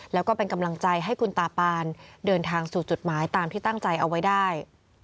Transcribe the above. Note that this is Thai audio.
แล้วก็เป็นกำลังใจให้คุณตาปานเดินทางสู่จุดหมายตามที่ตั้งใจเอาไว้ได้